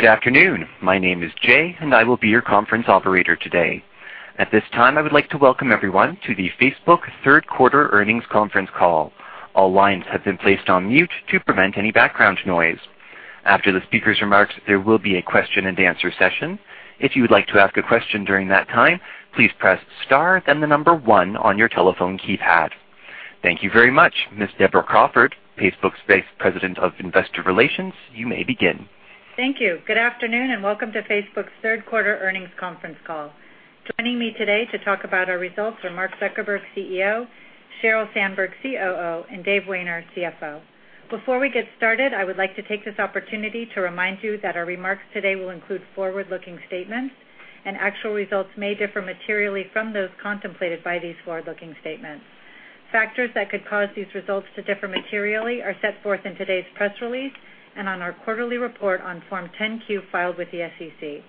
Good afternoon, my name is Jay. I will be your conference operator today. At this time, I would like to welcome everyone to the Facebook Third quarter Earnings Conference Call. All lines have been placed on mute to prevent any background noise. After the speaker's remarks, there will be a question and answer session. Thank you very much. Ms. Deborah Crawford, Facebook's Vice President of Investor Relations, you may begin. Thank you, good afternoon, and welcome to Facebook's third quarter earnings conference call. Joining me today to talk about our results are Mark Zuckerberg, CEO, Sheryl Sandberg, COO, and David Wehner, CFO. Before we get started, I would like to take this opportunity to remind you that our remarks today will include forward-looking statements, and actual results may differ materially from those contemplated by these forward-looking statements. Factors that could cause these results to differ materially are set forth in today's press release and on our quarterly report on Form 10-Q filed with the SEC.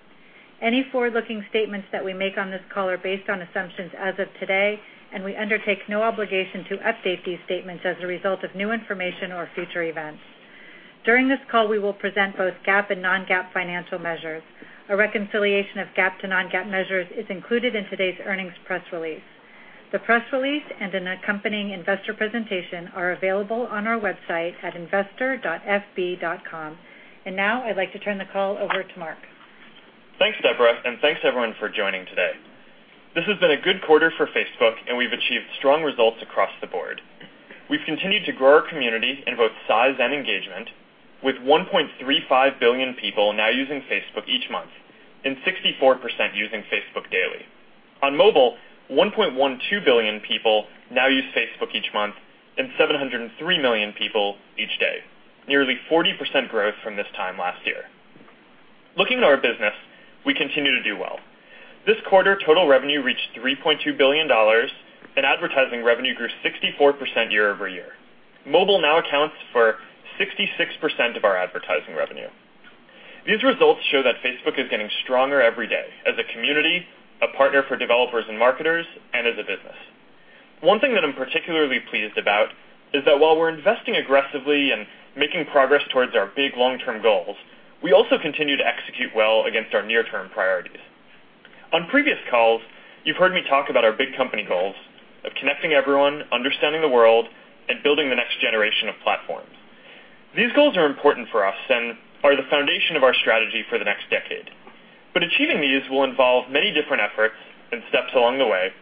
Any forward-looking statements that we make on this call are based on assumptions as of today, and we undertake no obligation to update these statements as a result of new information or future events. During this call, we will present both GAAP and non-GAAP financial measures. A reconciliation of GAAP to non-GAAP measures is included in today's earnings press release. The press release and an accompanying investor presentation are available on our website at investor.fb.com. Now I'd like to turn the call over to Mark. Thanks Deborah, and thanks everyone for joining today. This has been a good quarter for Facebook. We've achieved strong results across the board. We've continued to grow our community in both size and engagement, with 1.35 billion people now using Facebook each month and 64% using Facebook daily. On mobile, 1.12 billion people now use Facebook each month and 703 million people each day, nearly 40% growth from this time last year. Looking at our business, we continue to do well. This quarter, total revenue reached $3.2 billion. Advertising revenue grew 64% year-over-year. Mobile now accounts for 66% of our advertising revenue. These results show that Facebook is getting stronger every day as a community, a partner for developers and marketers, and as a business. One thing that I'm particularly pleased about is that while we're investing aggressively and making progress towards our big long-term goals, we also continue to execute well against our near-term priorities. On previous calls, you've heard me talk about our big company goals of connecting everyone, understanding the world, and building the next generation of platforms. These goals are important for us and are the foundation of our strategy for the next decade. Achieving these will involve many different efforts and steps along the way,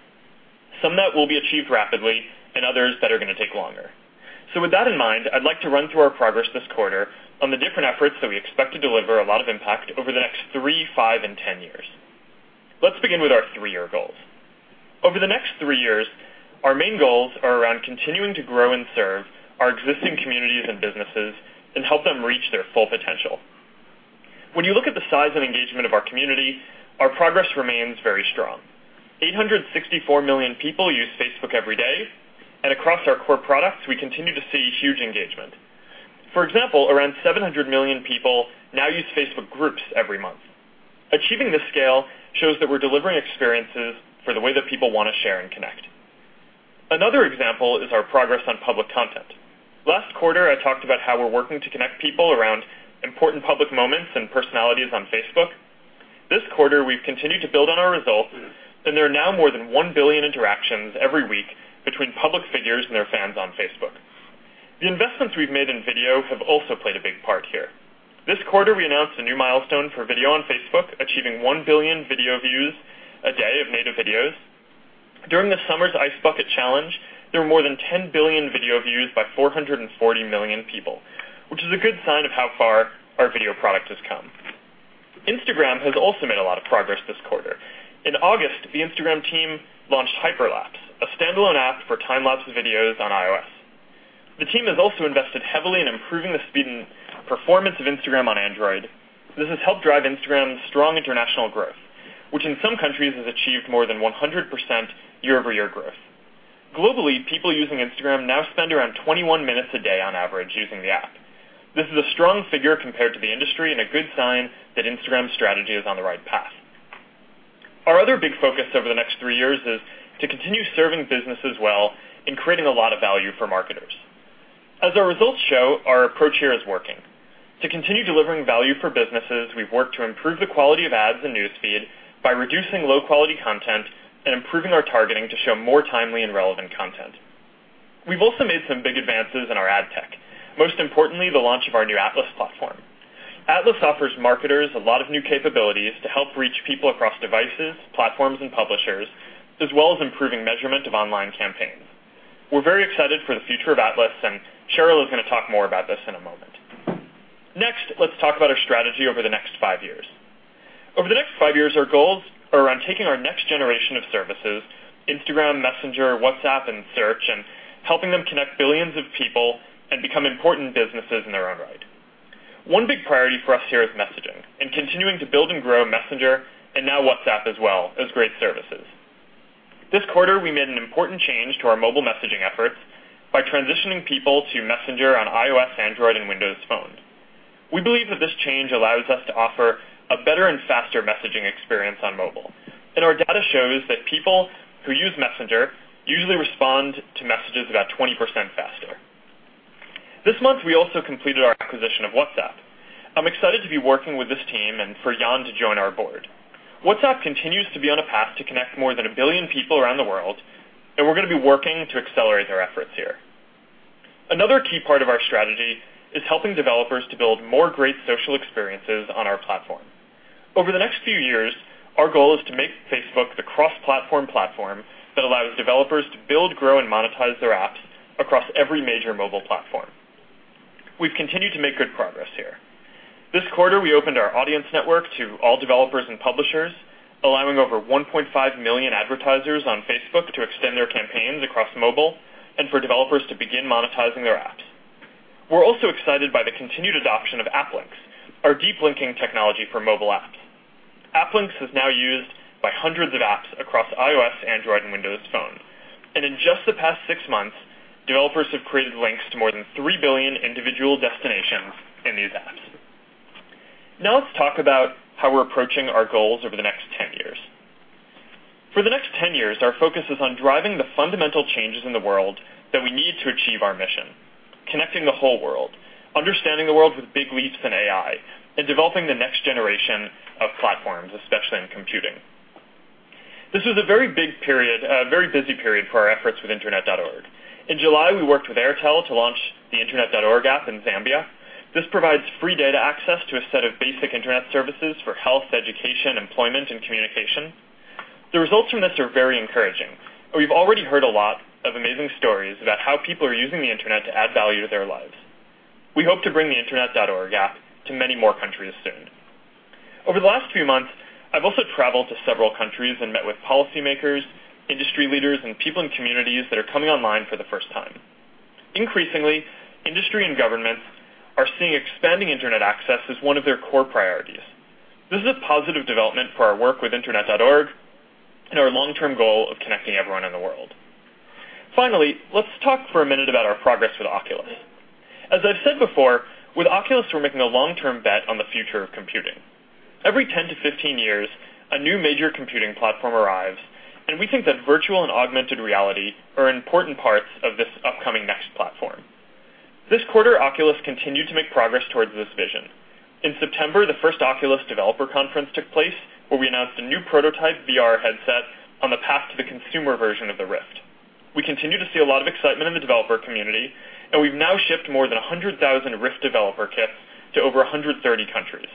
some that will be achieved rapidly and others that are gonna take longer. With that in mind, I'd like to run through our progress this quarter on the different efforts that we expect to deliver a lot of impact over the next three, five, and 10 years. Let's begin with our three-year goals. Over the next three years, our main goals are around continuing to grow and serve our existing communities and businesses and help them reach their full potential. When you look at the size and engagement of our community, our progress remains very strong. 864 million people use Facebook every day, and across our core products, we continue to see huge engagement. For example, around 700 million people now use Facebook Groups every month. Achieving this scale shows that we're delivering experiences for the way that people wanna share and connect. Another example is our progress on public content. Last quarter, I talked about how we're working to connect people around important public moments and personalities on Facebook. This quarter, we've continued to build on our results, and there are now more than 1 billion interactions every week between public figures and their fans on Facebook. The investments we've made in video have also played a big part here. This quarter, we announced a new milestone for video on Facebook, achieving 1 billion video views a day of native videos. During the summer's Ice Bucket Challenge, there were more than 10 billion video views by 440 million people, which is a good sign of how far our video product has come. Instagram has also made a lot of progress this quarter. In August, the Instagram team launched Hyperlapse, a standalone app for time-lapse videos on iOS. The team has also invested heavily in improving the speed and performance of Instagram on Android. This has helped drive Instagram's strong international growth, which in some countries has achieved more than 100% year-over-year growth. Globally, people using Instagram now spend around 21 minutes a day on average using the app. This is a strong figure compared to the industry and a good sign that Instagram's strategy is on the right path. Our other big focus over the next three years is to continue serving businesses well and creating a lot of value for marketers. As our results show, our approach here is working. To continue delivering value for businesses, we've worked to improve the quality of ads in News Feed by reducing low-quality content and improving our targeting to show more timely and relevant content. We've also made some big advances in our ad tech, most importantly, the launch of our new Atlas platform. Atlas offers marketers a lot of new capabilities to help reach people across devices, platforms, and publishers, as well as improving measurement of online campaigns. We're very excited for the future of Atlas, and Sheryl is gonna talk more about this in a moment. Next, let's talk about our strategy over the next five years. Over the next five years, our goals are around taking our next generation of services, Instagram, Messenger, WhatsApp, and Search, and helping them connect billions of people and become important businesses in their own right. One big priority for us here is messaging and continuing to build and grow Messenger and now WhatsApp as well as great services. This quarter, we made an important change to our mobile messaging efforts by transitioning people to Messenger on iOS, Android, and Windows Phone. We believe that this change allows us to offer a better and faster messaging experience on mobile. Our data shows that people who use Messenger usually respond to messages about 20% faster. This month, we also completed our acquisition of WhatsApp. I'm excited to be working with this team and for Jan to join our board. WhatsApp continues to be on a path to connect more than a billion people around the world, and we're gonna be working to accelerate their efforts here. Another key part of our strategy is helping developers to build more great social experiences on our platform. Over the next few years, our goal is to make Facebook the cross-platform platform that allows developers to build, grow, and monetize their apps across every major mobile platform. We've continued to make good progress here. This quarter, we opened our Audience Network to all developers and publishers, allowing over 1.5 million advertisers on Facebook to extend their campaigns across mobile and for developers to begin monetizing their apps. We're also excited by the continued adoption of App Links, our deep linking technology for mobile apps. App Links is now used by hundreds of apps across iOS, Android, and Windows Phone. In just the past six months, developers have created links to more than 3 billion individual destinations in these apps. Now let's talk about how we're approaching our goals over the next 10 years. For the next 10 years, our focus is on driving the fundamental changes in the world that we need to achieve our mission: connecting the whole world, understanding the world with big leaps in AI, and developing the next generation of platforms, especially in computing. This was a very big period, very busy period for our efforts with Internet.org. In July, we worked with Airtel to launch the Internet.org app in Zambia. This provides free data access to a set of basic internet services for health, education, employment, and communication. The results from this are very encouraging. We've already heard a lot of amazing stories about how people are using the internet to add value to their lives. We hope to bring the Internet.org app to many more countries soon. Over the last few months, I've also traveled to several countries and met with policymakers, industry leaders, and people in communities that are coming online for the first time. Increasingly, industry and governments are seeing expanding internet access as one of their core priorities. This is a positive development for our work with Internet.org and our long-term goal of connecting everyone in the world. Finally, let's talk for a minute about our progress with Oculus. As I've said before, with Oculus, we're making a long-term bet on the future of computing. Every 10-15 years, a new major computing platform arrives, and we think that virtual and augmented reality are important parts of this upcoming next platform. This quarter, Oculus continued to make progress towards this vision. In September, the first Oculus developer conference took place, where we announced a new prototype VR headset on the path to the consumer version of the Rift. We continue to see a lot of excitement in the developer community, and we've now shipped more than 100,000 Rift developer kits to over 130 countries.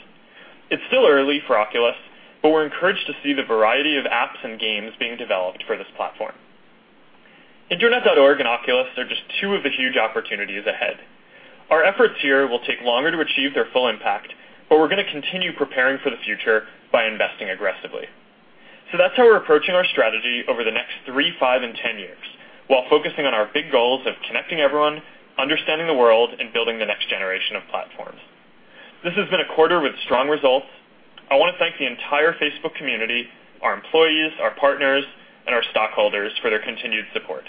It's still early for Oculus, but we're encouraged to see the variety of apps and games being developed for this platform. Internet.org and Oculus are just two of the huge opportunities ahead. Our efforts here will take longer to achieve their full impact, but we're gonna continue preparing for the future by investing aggressively. That's how we're approaching our strategy over the next three, five, and 10 years, while focusing on our big goals of connecting everyone, understanding the world, and building the next generation of platforms. This has been a quarter with strong results. I wanna thank the entire Facebook community, our employees, our partners, and our stockholders for their continued support.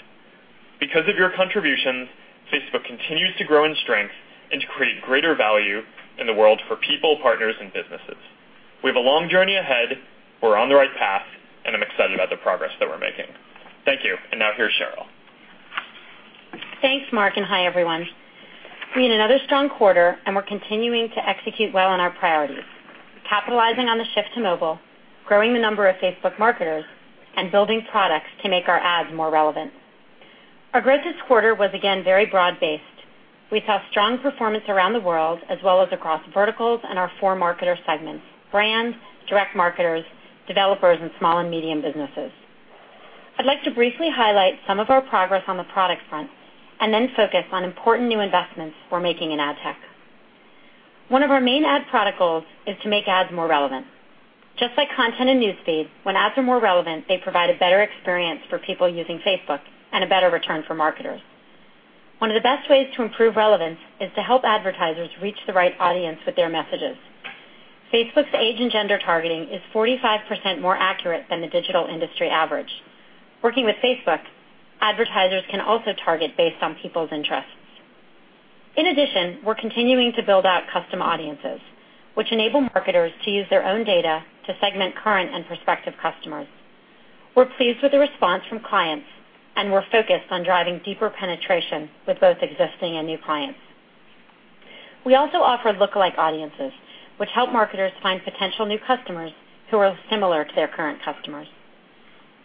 Because of your contributions, Facebook continues to grow in strength and to create greater value in the world for people, partners, and businesses. We have a long journey ahead, we're on the right path, and I'm excited about the progress that we're making. Thank you, and now here's Sheryl. Thanks, Mark, and hi, everyone. We had another strong quarter, and we're continuing to execute well on our priorities: capitalizing on the shift to mobile, growing the number of Facebook marketers, and building products to make our ads more relevant. Our growth this quarter was again very broad-based. We saw strong performance around the world, as well as across verticals and our four marketer segments: brands, direct marketers, developers, and small and medium businesses. I'd like to briefly highlight some of our progress on the product front, and then focus on important new investments we're making in ad tech. One of our main ad product goals is to make ads more relevant. Just like content and News Feed, when ads are more relevant, they provide a better experience for people using Facebook and a better return for marketers. One of the best ways to improve relevance is to help advertisers reach the right audience with their messages. Facebook's age and gender targeting is 45% more accurate than the digital industry average. Working with Facebook, advertisers can also target based on people's interests. In addition, we're continuing to build out Custom Audiences, which enable marketers to use their own data to segment current and prospective customers. We're pleased with the response from clients, and we're focused on driving deeper penetration with both existing and new clients. We also offer Lookalike Audiences, which help marketers find potential new customers who are similar to their current customers.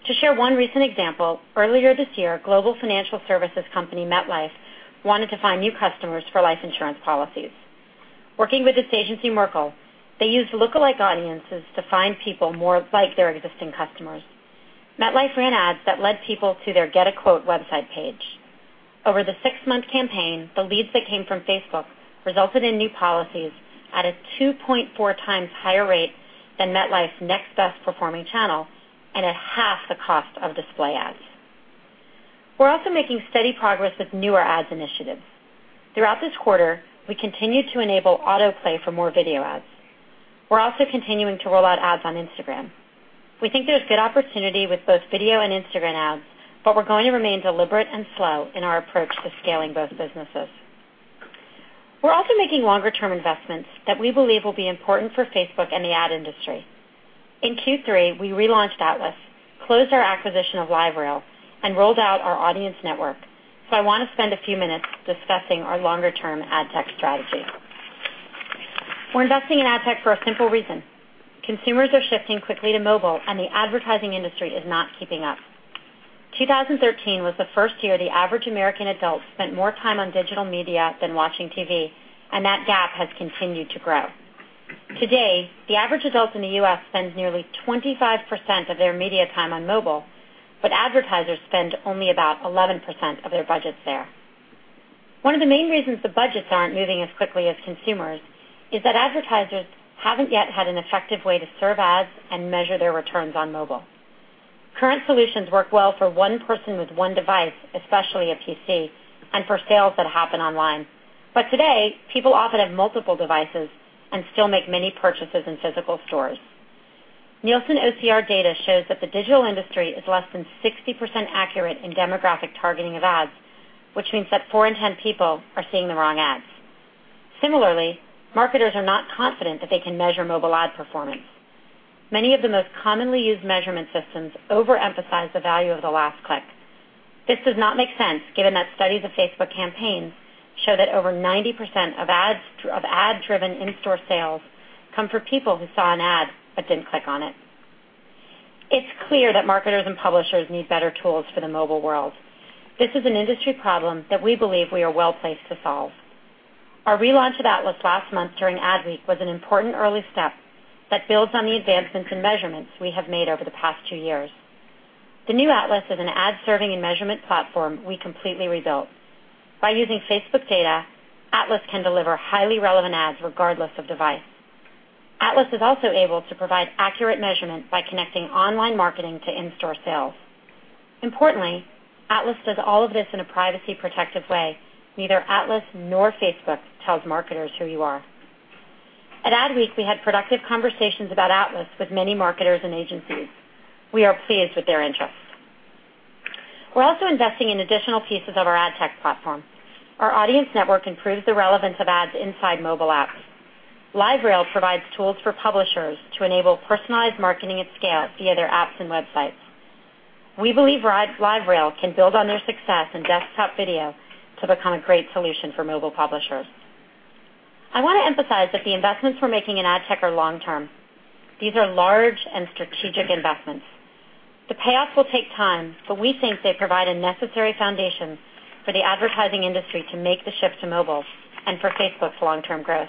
To share one recent example, earlier this year, global financial services company MetLife wanted to find new customers for life insurance policies. Working with its agency, Merkle, they used Lookalike Audiences to find people more like their existing customers. MetLife ran ads that led people to their Get a Quote website page. Over the six-month campaign, the leads that came from Facebook resulted in new policies at a 2.4 times higher rate than MetLife's next best performing channel and at half the cost of display ads. We're also making steady progress with newer ads initiatives. Throughout this quarter, we continued to enable autoplay for more video ads. We're also continuing to roll out ads on Instagram. We think there's good opportunity with both video and Instagram ads, but we're going to remain deliberate and slow in our approach to scaling both businesses. We're also making longer term investments that we believe will be important for Facebook and the ad industry. In Q3, we relaunched Atlas, closed our acquisition of LiveRail, and rolled out our Audience Network. I want to spend a few minutes discussing our longer-term ad tech strategy. We're investing in ad tech for a simple reason. Consumers are shifting quickly to mobile, and the advertising industry is not keeping up. 2013 was the first year the average American adult spent more time on digital media than watching TV, and that gap has continued to grow. Today, the average adult in the U.S. spends nearly 25% of their media time on mobile, but advertisers spend only about 11% of their budgets there. One of the main reasons the budgets aren't moving as quickly as consumers is that advertisers haven't yet had an effective way to serve ads and measure their returns on mobile. Current solutions work well for one person with one device, especially a PC, and for sales that happen online. Today, people often have multiple devices and still make many purchases in physical stores. Nielsen OCR data shows that the digital industry is less than 60% accurate in demographic targeting of ads, which means that four in 10 people are seeing the wrong ads. Similarly, marketers are not confident that they can measure mobile ad performance. Many of the most commonly used measurement systems overemphasize the value of the last click. This does not make sense given that studies of Facebook campaigns show that over 90% of ads, of ad-driven in-store sales come from people who saw an ad but didn't click on it. It's clear that marketers and publishers need better tools for the mobile world. This is an industry problem that we believe we are well-placed to solve. Our relaunch of Atlas last month during Adweek was an important early step that builds on the advancements in measurements we have made over the past two years. The new Atlas is an ad-serving and measurement platform we completely rebuilt. By using Facebook data, Atlas can deliver highly relevant ads regardless of device. Atlas is also able to provide accurate measurement by connecting online marketing to in-store sales. Importantly, Atlas does all of this in a privacy-protective way. Neither Atlas nor Facebook tells marketers who you are. At Adweek, we had productive conversations about Atlas with many marketers and agencies. We are pleased with their interest. We're also investing in additional pieces of our ad tech platform. Our Audience Network improves the relevance of ads inside mobile apps. LiveRail provides tools for publishers to enable personalized marketing at scale via their apps and websites. We believe LiveRail can build on their success in desktop video to become a great solution for mobile publishers. I wanna emphasize that the investments we're making in ad tech are long term. These are large and strategic investments. The payoffs will take time, but we think they provide a necessary foundation for the advertising industry to make the shift to mobile and for Facebook's long-term growth.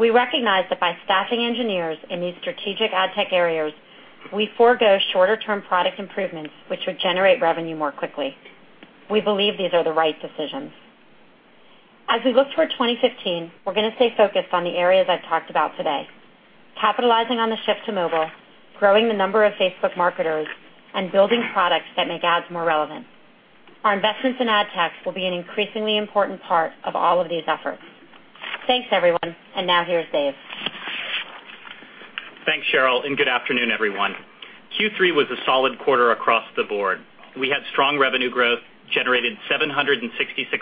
We recognize that by staffing engineers in these strategic ad tech areas, we forego shorter-term product improvements, which would generate revenue more quickly. We believe these are the right decisions. As we look toward 2015, we're gonna stay focused on the areas I've talked about today. Capitalizing on the shift to mobile, growing the number of Facebook marketers, and building products that make ads more relevant. Our investments in ad tech will be an increasingly important part of all of these efforts. Thanks, everyone. Now here's Dave. Thanks, Sheryl, and good afternoon, everyone. Q3 was a solid quarter across the board. We had strong revenue growth, generated $766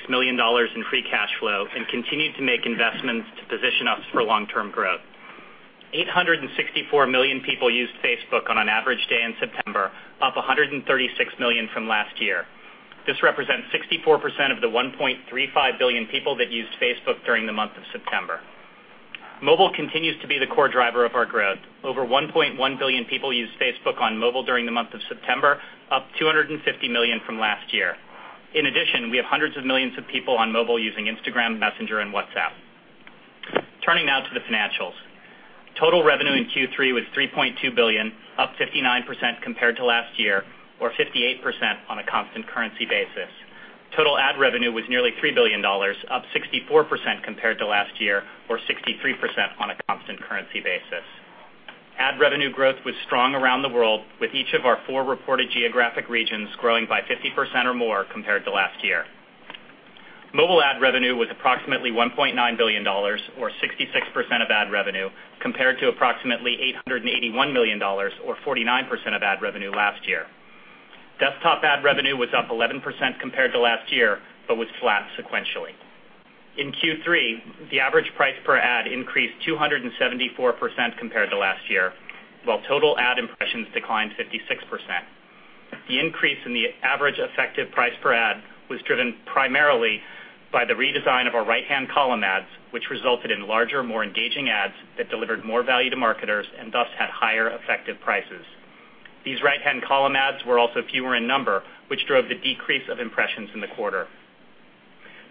million in free cash flow, and continued to make investments to position us for long-term growth. 864 million people used Facebook on an average day in September, up 136 million from last year. This represents 64% of the 1.35 billion people that used Facebook during the month of September. Mobile continues to be the core driver of our growth. Over 1.1 billion people used Facebook on mobile during the month of September, up 250 million from last year. In addition, we have hundreds of millions of people on mobile using Instagram, Messenger, and WhatsApp. Turning now to the financials. Total revenue in Q3 was $3.2 billion, up 59% compared to last year, or 58% on a constant currency basis. Total ad revenue was nearly $3 billion, up 64% compared to last year, or 63% on a constant currency basis. Ad revenue growth was strong around the world, with each of our four reported geographic regions growing by 50% or more compared to last year. Mobile ad revenue was approximately $1.9 billion or 66% of ad revenue, compared to approximately $881 million or 49% of ad revenue last year. Desktop ad revenue was up 11% compared to last year but was flat sequentially. In Q3, the average price per ad increased 274% compared to last year, while total ad impressions declined 56%. The increase in the average effective price per ad was driven primarily by the redesign of our right-hand column ads, which resulted in larger, more engaging ads that delivered more value to marketers and thus had higher effective prices. These right-hand column ads were also fewer in number, which drove the decrease of impressions in the quarter.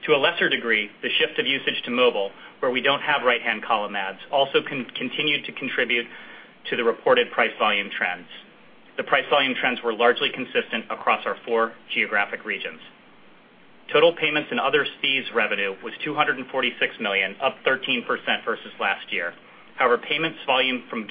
To a lesser degree, the shift of usage to mobile, where we don't have right-hand column ads, also continued to contribute to the reported price volume trends. The price volume trends were largely consistent across our four geographic regions. Total payments and others fees revenue was $246 million, up 13% versus last year. However, payments volume from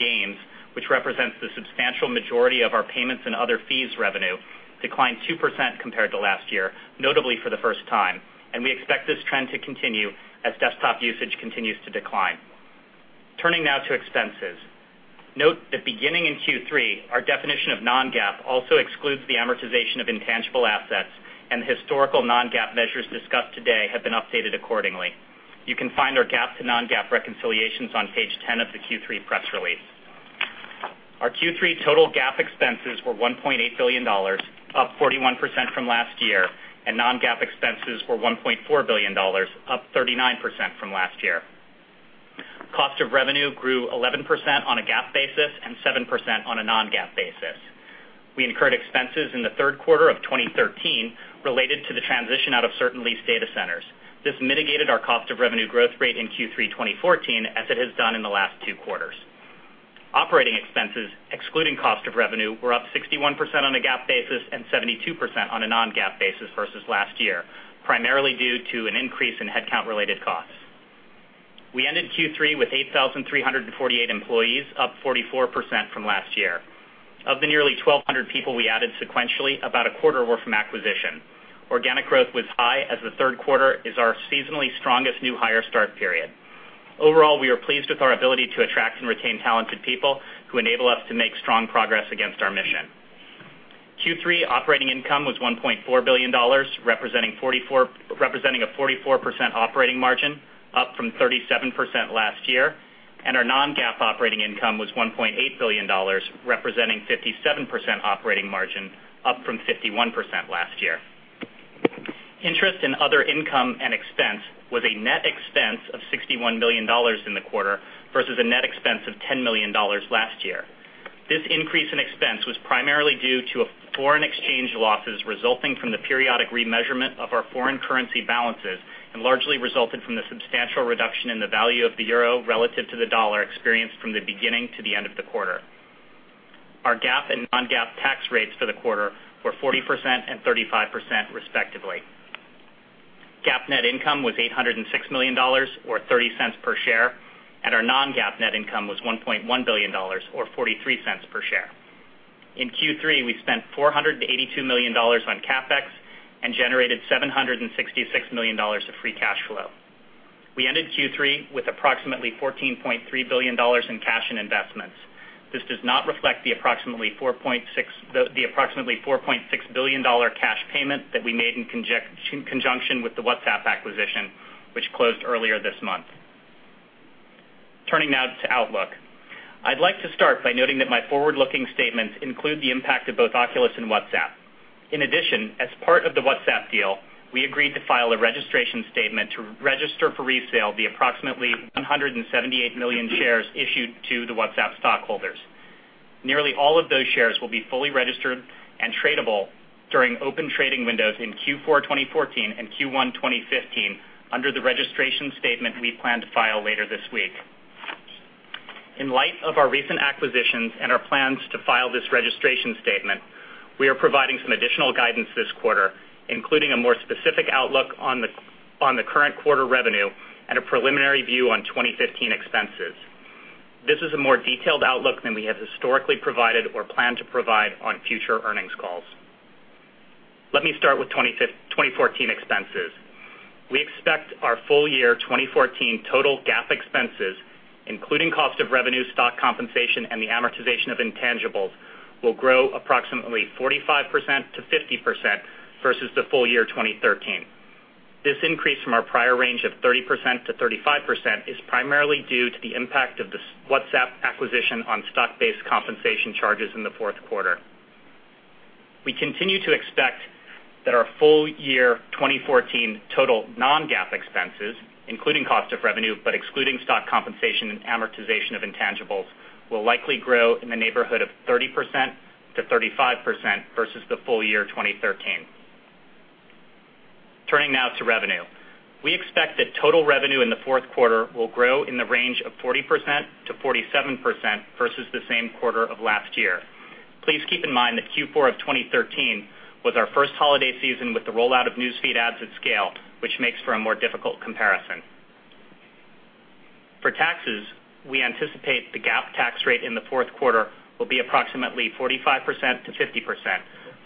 games, which represents the substantial majority of our payments and other fees revenue, declined 2% compared to last year, notably for the first time, and we expect this trend to continue as desktop usage continues to decline. Turning now to expenses. Note that beginning in Q3, our definition of non-GAAP also excludes the amortization of intangible assets, and the historical non-GAAP measures discussed today have been updated accordingly. You can find our GAAP to non-GAAP reconciliations on page 10 of the Q3 press release. Our Q3 total GAAP expenses were $1.8 billion, up 41% from last year, and non-GAAP expenses were $1.4 billion, up 39% from last year. Cost of revenue grew 11% on a GAAP basis and 7% on a non-GAAP basis. We incurred expenses in the third quarter of 2013 related to the transition out of certain leased data centers. This mitigated our cost of revenue growth rate in Q3 2014, as it has done in the last two quarters. Operating expenses, excluding cost of revenue, were up 61% on a GAAP basis and 72% on a non-GAAP basis versus last year, primarily due to an increase in headcount-related costs. We ended Q3 with 8,348 employees, up 44% from last year. Of the nearly 1,200 people we added sequentially, about a quarter were from acquisition. Organic growth was high, as the third quarter is our seasonally strongest new hire start period. Overall, we are pleased with our ability to attract and retain talented people who enable us to make strong progress against our mission. Q3 operating income was $1.4 billion, representing a 44% operating margin, up from 37% last year. Our non-GAAP operating income was $1.8 billion, representing 57% operating margin, up from 51% last year. Interest and other income and expense was a net expense of $61 million in the quarter versus a net expense of $10 million last year. This increase in expense was primarily due to foreign exchange losses resulting from the periodic remeasurement of our foreign currency balances, and largely resulted from the substantial reduction in the value of the euro relative to the dollar experienced from the beginning to the end of the quarter. Our GAAP and non-GAAP tax rates for the quarter were 40% and 35%, respectively. GAAP net income was $806 million, or $0.30 per share, and our non-GAAP net income was $1.1 billion, or $0.43 per share. In Q3, we spent $482 million on CapEx and generated $766 million of free cash flow. We ended Q3 with approximately $14.3 billion in cash and investments. This does not reflect the approximately $4.6 billion cash payment that we made in conjunction with the WhatsApp acquisition, which closed earlier this month. Turning now to outlook. I'd like to start by noting that my forward-looking statements include the impact of both Oculus and WhatsApp. In addition, as part of the WhatsApp deal, we agreed to file a registration statement to register for resale the approximately 178 million shares issued to the WhatsApp stockholders. Nearly all of those shares will be fully registered and tradable during open trading windows in Q4 2014 and Q1 2015 under the registration statement we plan to file later this week. In light of our recent acquisitions and our plans to file this registration statement, we are providing some additional guidance this quarter, including a more specific outlook on the current quarter revenue and a preliminary view on 2015 expenses. This is a more detailed outlook than we have historically provided or plan to provide on future earnings calls. Let me start with 2014 expenses. We expect our full year 2014 total GAAP expenses, including cost of revenue, stock compensation, and the amortization of intangibles, will grow approximately 45%-50% versus the full year 2013. This increase from our prior range of 30%-35% is primarily due to the impact of the WhatsApp acquisition on stock-based compensation charges in the fourth quarter. We continue to expect that our full year 2014 total non-GAAP expenses, including cost of revenue, but excluding stock compensation and amortization of intangibles, will likely grow in the neighborhood of 30%-35% versus the full year 2013. Turning now to revenue. We expect that total revenue in the fourth quarter will grow in the range of 40%-47% versus the same quarter of last year. Please keep in mind that Q4 of 2013 was our first holiday season with the rollout of News Feed ads at scale, which makes for a more difficult comparison. For taxes, we anticipate the GAAP tax rate in the fourth quarter will be approximately 45%-50%,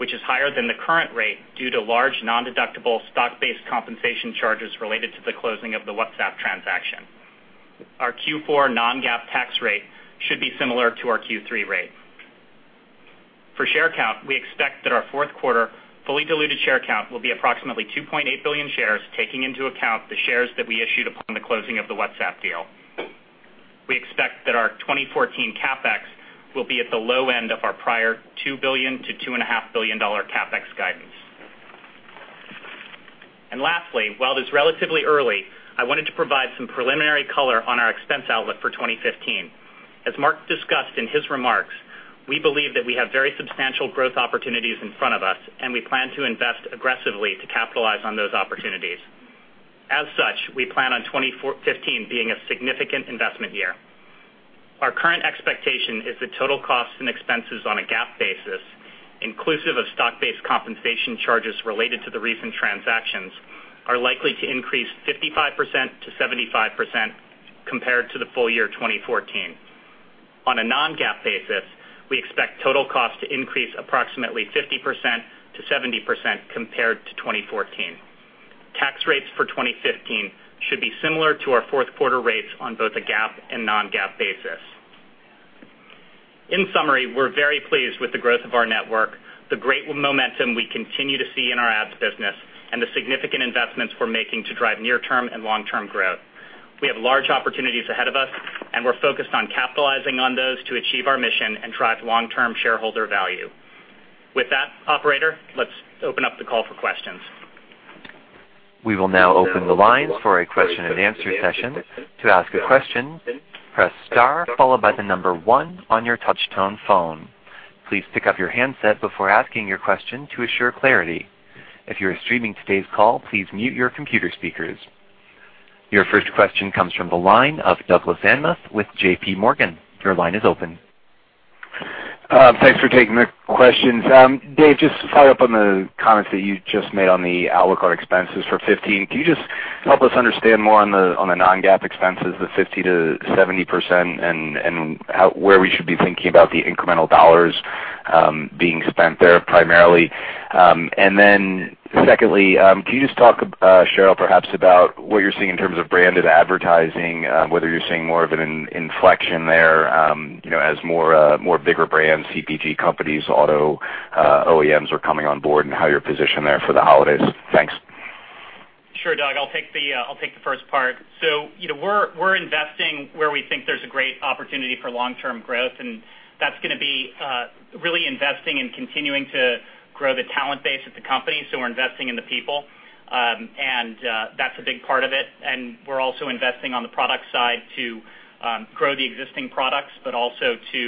which is higher than the current rate due to large nondeductible stock-based compensation charges related to the closing of the WhatsApp transaction. Our Q4 non-GAAP tax rate should be similar to our Q3 rate. For share count, we expect that our fourth quarter fully diluted share count will be approximately 2.8 billion shares, taking into account the shares that we issued upon the closing of the WhatsApp deal. We expect that our 2014 CapEx will be at the low end of our prior $2 billion-$2.5 billion CapEx guidance. Lastly, while it is relatively early, I wanted to provide some preliminary color on our expense outlook for 2015. As Mark discussed in his remarks, we believe that we have very substantial growth opportunities in front of us, and we plan to invest aggressively to capitalize on those opportunities. As such, we plan on 2015 being a significant investment year. Our current expectation is that total costs and expenses on a GAAP basis, inclusive of stock-based compensation charges related to the recent transactions, are likely to increase 55%-75% compared to the full year 2014. On a non-GAAP basis, we expect total cost to increase approximately 50%-70% compared to 2014. Tax rates for 2015 should be similar to our fourth quarter rates on both a GAAP and non-GAAP basis. In summary, we're very pleased with the growth of our network, the great momentum we continue to see in our ads business, and the significant investments we're making to drive near-term and long-term growth. We have large opportunities ahead of us, and we're focused on capitalizing on those to achieve our mission and drive long-term shareholder value. With that, operator, let's open up the call for questions. We will now open the lines for a question-and-answer session. To ask the question, press star followed by the number one on your touch tone phone. Please pick up your handset before asking your question to assure clarity. If you're streaming today's call, please mute your computer speakers. Your first question comes from the line of Douglas Anmuth with JPMorgan. Thanks for taking the questions. Dave, just to follow up on the comments that you just made on the outlook on expenses for 2015, can you just help us understand more on the non-GAAP expenses, the 50%-70%, where we should be thinking about the incremental dollars being spent there primarily? Then secondly, can you just talk, Sheryl, perhaps about what you're seeing in terms of branded advertising, whether you're seeing more of an inflection there, you know, as more bigger brands, CPG companies, auto OEMs are coming on board and how you're positioned there for the holidays? Thanks. Sure, Doug. I'll take the first part. You know, we're investing where we think there's a great opportunity for long-term growth, and that's gonna be really investing in continuing to grow the talent base at the company. We're investing in the people, and that's a big part of it. We're also investing on the product side to grow the existing products, but also to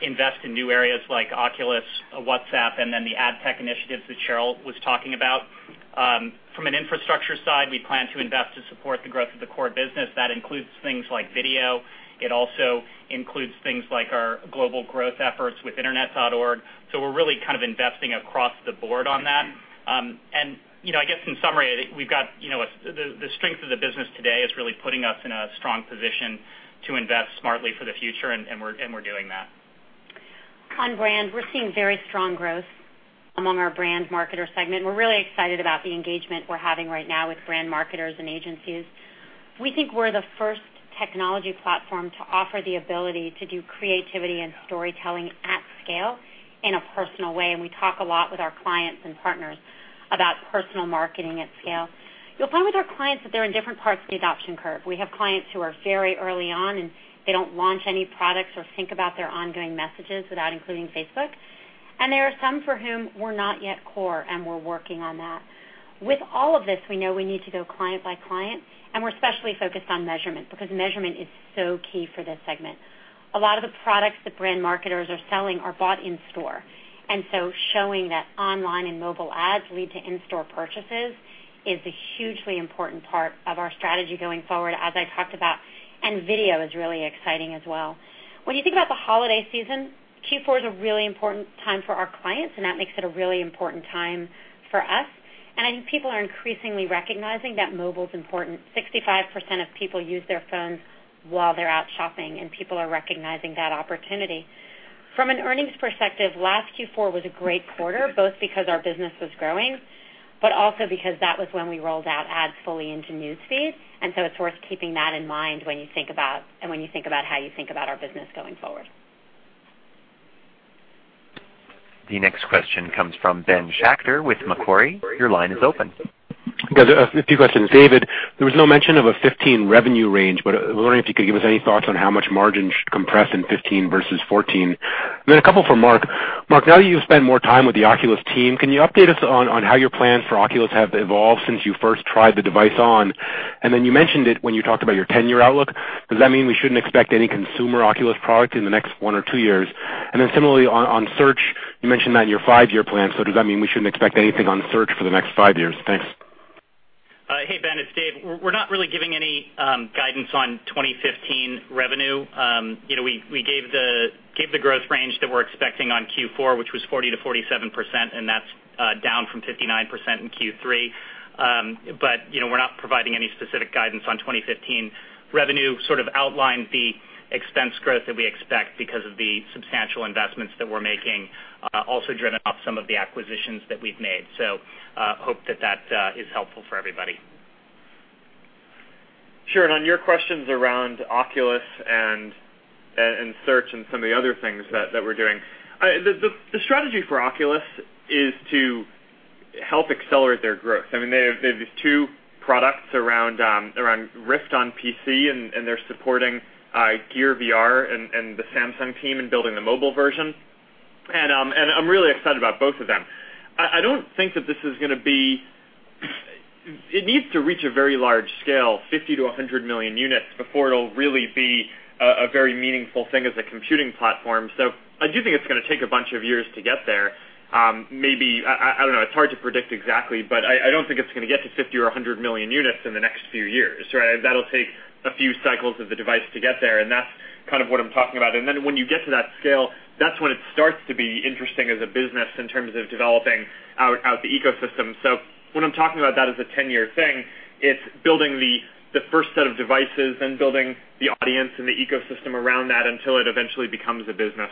invest in new areas like Oculus, WhatsApp, and then the ad tech initiatives that Sheryl was talking about. From an infrastructure side, we plan to invest to support the growth of the core business. That includes things like video. It also includes things like our global growth efforts with Internet.org. We're really kind of investing across the board on that. You know, I guess in summary, I think we've got, you know, the strength of the business today is really putting us in a strong position to invest smartly for the future, and we're doing that. On brand, we're seeing very strong growth among our brand marketer segment. We're really excited about the engagement we're having right now with brand marketers and agencies. We think we're the first technology platform to offer the ability to do creativity and storytelling at scale in a personal way. We talk a lot with our clients and partners about personal marketing at scale. You'll find with our clients that they're in different parts of the adoption curve. We have clients who are very early on. They don't launch any products or think about their ongoing messages without including Facebook. There are some for whom we're not yet core. We're working on that. With all of this, we know we need to go client by client. We're especially focused on measurement because measurement is so key for this segment. A lot of the products that brand marketers are selling are bought in-store. Showing that online and mobile ads lead to in-store purchases is a hugely important part of our strategy going forward, as I talked about, and video is really exciting as well. When you think about the holiday season, Q4 is a really important time for our clients, and that makes it a really important time for us. I think people are increasingly recognizing that mobile is important. 65% of people use their phones while they're out shopping, and people are recognizing that opportunity. From an earnings perspective, last Q4 was a great quarter, both because our business was growing, but also because that was when we rolled out ads fully into News Feed. It's worth keeping that in mind when you think about how you think about our business going forward. The next question comes from Ben Schachter with Macquarie. Your line is open. A few questions. David, there was no mention of a 15 revenue range. I was wondering if you could give us any thoughts on how much margin should compress in 15 versus 14. A couple for Mark. Mark, now that you've spent more time with the Oculus team, can you update us on how your plans for Oculus have evolved since you first tried the device on? You mentioned it when you talked about your 10-year outlook. Does that mean we shouldn't expect any consumer Oculus product in the next one or two years? Similarly on Search, you mentioned that in your five-year plan. Does that mean we shouldn't expect anything on Search for the next five years? Thanks. Hey, Ben, it's Dave. We're not really giving any guidance on 2015 revenue. You know, we gave the growth range that we're expecting on Q4, which was 40%-47%, and that's down from 59% in Q3. You know, we're not providing any specific guidance on 2015 revenue, sort of outlined the expense growth that we expect because of the substantial investments that we're making, also driven off some of the acquisitions that we've made. Hope that that is helpful for everybody. Sure, on your questions around Oculus and Search and some of the other things that we're doing. The strategy for Oculus is to help accelerate their growth. I mean, they have these two products around Rift on PC, and they're supporting Gear VR and the Samsung team in building the mobile version. I'm really excited about both of them. I don't think that this is gonna be It needs to reach a very large scale, 50 to 100 million units before it'll really be a very meaningful thing as a computing platform. I do think it's gonna take a bunch of years to get there. Maybe, I don't know, it's hard to predict exactly, but I don't think it's gonna get to 50 or 100 million units in the next few years, right? That'll take a few cycles of the device to get there, and that's kind of what I'm talking about. Then when you get to that scale, that's when it starts to be interesting as a business in terms of developing out the ecosystem. When I'm talking about that as a 10-year thing, it's building the first set of devices and building the audience and the ecosystem around that until it eventually becomes a business.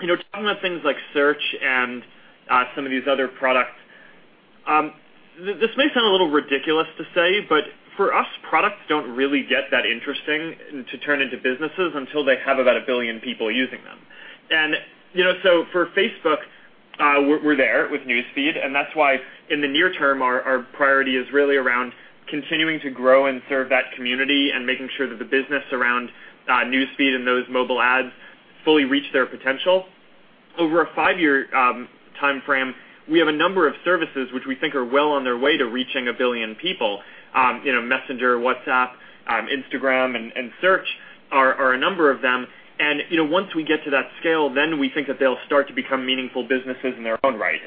You know, talking about things like search and some of these other products. This may sound a little ridiculous to say, but for us, products don't really get that interesting to turn into businesses until they have about a billion people using them. You know, for Facebook, we're there with News Feed, and that's why in the near term our priority is really around continuing to grow and serve that community and making sure that the business around News Feed and those mobile ads fully reach their potential. Over a five-year timeframe, we have a number of services which we think are well on their way to reaching a billion people. You know, Messenger, WhatsApp, Instagram and Search are a number of them. You know, once we get to that scale, we think that they'll start to become meaningful businesses in their own right.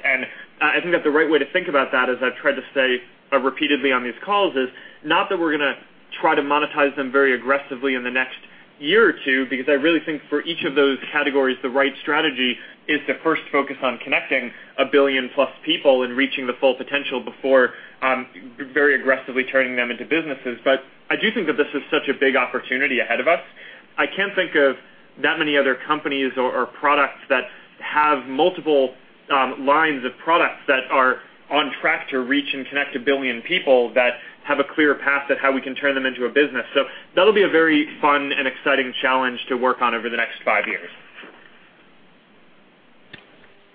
I think that the right way to think about that, as I've tried to say, repeatedly on these calls, is not that we're going to try to monetize them very aggressively in the next year or two, because I really think for each of those categories, the right strategy is to first focus on connecting a billion plus people and reaching the full potential before very aggressively turning them into businesses. I do think that this is such a big opportunity ahead of us. I can't think of that many other companies or products that have multiple lines of products that are on track to reach and connect a billion people that have a clear path at how we can turn them into a business. That'll be a very fun and exciting challenge to work on over the next five years.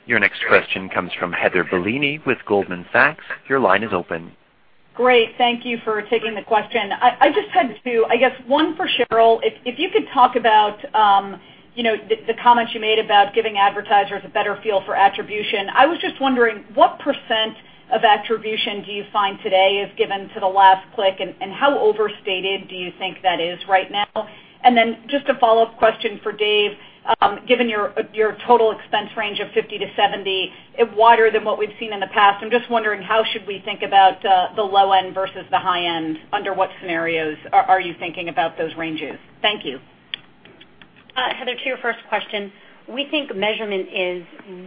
Your next question comes from Heather Bellini with Goldman Sachs. Your line is open. Great. Thank you for taking the question. I just had two. I guess one for Sheryl. If you could talk about, you know, the comments you made about giving advertisers a better feel for attribution. I was just wondering, what percent of attribution do you find today is given to the last click, and how overstated do you think that is right now? Just a follow-up question for Dave. Given your total expense range of 50%-70%, it wider than what we've seen in the past. I'm just wondering, how should we think about the low end versus the high end? Under what scenarios are you thinking about those ranges? Thank you. Heather, to your first question, we think measurement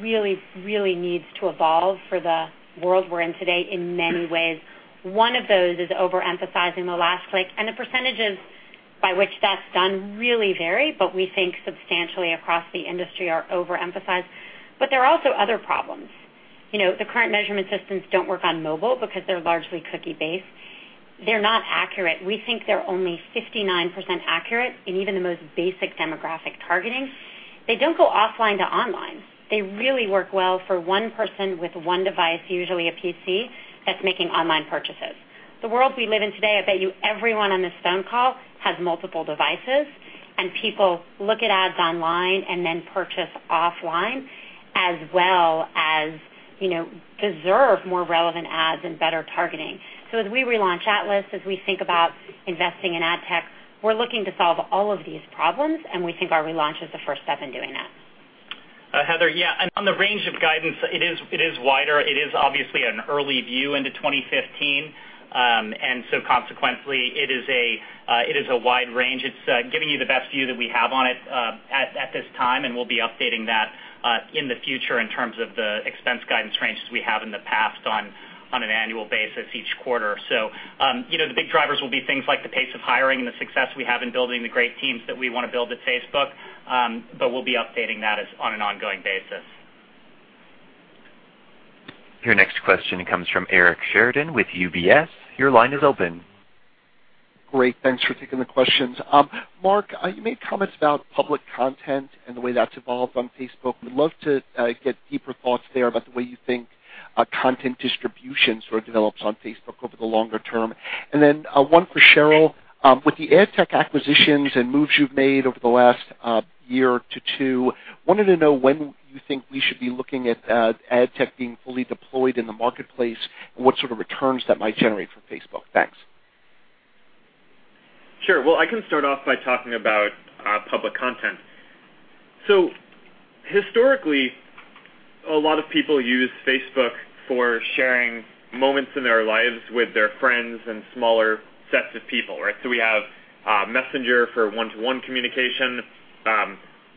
really, really needs to evolve for the world we're in today in many ways. One of those is overemphasizing the last click. The percentages by which that's done really vary, but we think substantially across the industry are overemphasized. There are also other problems. You know, the current measurement systems don't work on mobile because they're largely cookie-based. They're not accurate. We think they're only 59% accurate in even the most basic demographic targeting. They don't go offline to online. They really work well for one person with one device, usually a PC, that's making online purchases. The world we live in today, I bet you everyone on this phone call has multiple devices, and people look at ads online and then purchase offline as well as, you know, deserve more relevant ads and better targeting. As we relaunch Atlas, as we think about investing in ad tech, we're looking to solve all of these problems, and we think our relaunch is the first step in doing that. Heather, yeah, on the range of guidance, it is wider. It is obviously an early view into 2015. Consequently, it is a wide range. It's giving you the best view that we have on it at this time, we'll be updating that in the future in terms of the expense guidance ranges we have in the past on an annual basis each quarter. You know, the big drivers will be things like the pace of hiring and the success we have in building the great teams that we wanna build at Facebook. We'll be updating that as on an ongoing basis. Your next question comes from Eric Sheridan with UBS. Your line is open. Great, thanks for taking the questions. Mark, you made comments about public content and the way that's evolved on Facebook. Would love to get deeper thoughts there about the way you think content distribution sort of develops on Facebook over the longer term. Then, one for Sheryl. With the ad tech acquisitions and moves you've made over the last year to two, wanted to know when you think we should be looking at ad tech being fully deployed in the marketplace and what sort of returns that might generate for Facebook? Thanks. I can start off by talking about public content. Historically, a lot of people use Facebook for sharing moments in their lives with their friends and smaller sets of people, right? We have Messenger for one-to-one communication,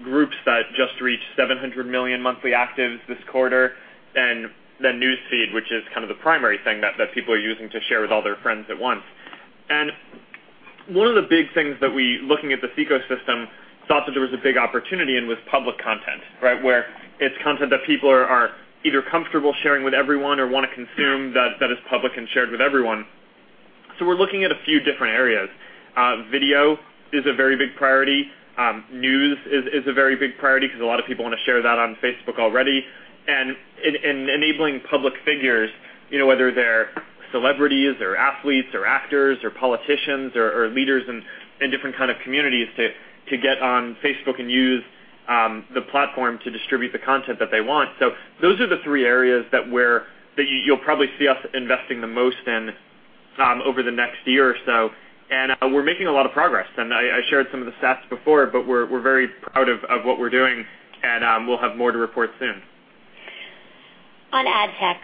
Groups that just reached 700 million monthly actives this quarter, then News Feed, which is kind of the primary thing that people are using to share with all their friends at once. One of the big things that we, looking at this ecosystem, thought that there was a big opportunity in was public content, right? Where it's content that people are either comfortable sharing with everyone or wanna consume that is public and shared with everyone. We're looking at a few different areas. Video is a very big priority. News is a very big priority 'cause a lot of people wanna share that on Facebook already. Enabling public figures, you know, whether they're celebrities or athletes or actors or politicians or leaders in different kind of communities to get on Facebook and use the platform to distribute the content that they want. Those are the three areas that you'll probably see us investing the most in over the next year or so. We're making a lot of progress. I shared some of the stats before, but we're very proud of what we're doing, and we'll have more to report soon. On ad tech,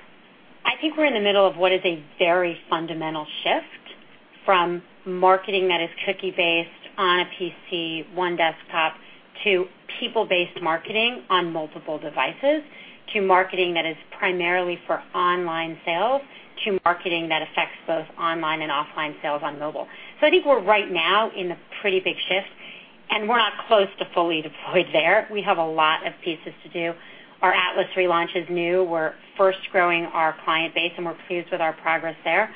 I think we're in the middle of what is a very fundamental shift from marketing that is cookie-based on a PC, one desktop, to people-based marketing on multiple devices. To marketing that is primarily for online sales, to marketing that affects both online and offline sales on mobile. I think we're right now in a pretty big shift, and we're not close to fully deployed there. We have a lot of pieces to do. Our Atlas relaunch is new. We're first growing our client base, and we're pleased with our progress there.